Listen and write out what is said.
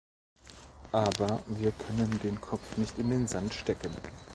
Aber wir können den Kopf nicht in den Sand stecken.